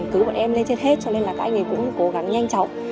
cứ bọn em lên trên hết cho nên là các anh ấy cũng cố gắng nhanh chóng